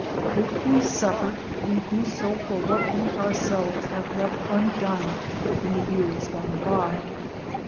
If we suffer, we do so for what we ourselves have left undone in the years gone by."